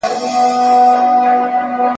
ټوله ژوي یو د بل په ځان بلا وه ..